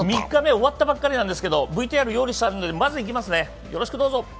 ３日目、終わったばっかなんですけどね、ＶＴＲ用意してますので、まずいきますね、よろしくどうぞ。